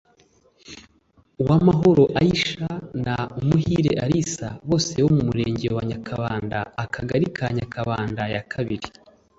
Uwamahoro Aisha na Umuhire Alice bose bo mu murenge wa Nyakabanda akagari ka Nyakabanda ya kabiri